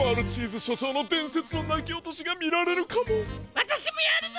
わたしもやるぞ！